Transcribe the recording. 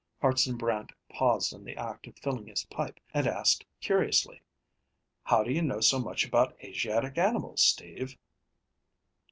Hartson Brant paused in the act of filling his pipe and asked curiously, "How do you know so much about Asiatic animals, Steve?"